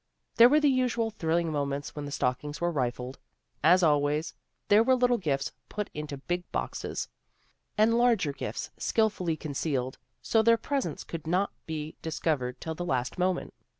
There were the usual thrilling mo ments when the stockings were rifled. As always there were little gifts put into big boxes and larger gifts skilfully concealed, so their presence could not be discovered till the last moment.